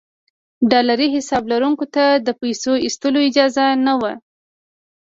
ډالري حساب لرونکو ته د پیسو ایستلو اجازه نه وه.